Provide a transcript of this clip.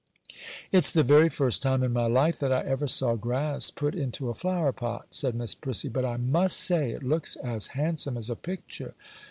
'It's the very first time in my life that I ever saw grass put into a flower pot,' said Miss Prissy; 'but I must say it looks as handsome as a pictur'.